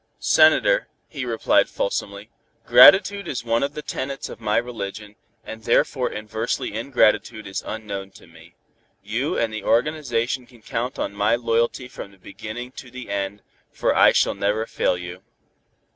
"Senator," he replied fulsomely, "gratitude is one of the tenets of my religion, and therefore inversely ingratitude is unknown to me. You and the organization can count on my loyalty from the beginning to the end, for I shall never fail you.